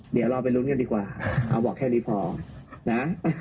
เดี๋ยวเราไปลุ้นกันดีกว่าเอาบอกแค่นี้พอนะ